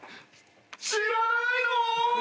知らないの！？